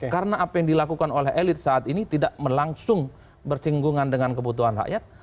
karena apa yang dilakukan oleh elit saat ini tidak melangsung bersinggungan dengan kebutuhan rakyat